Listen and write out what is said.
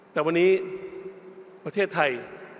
แต่วันนี้ประเทศไทย